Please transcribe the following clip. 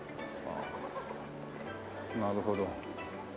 なるほど。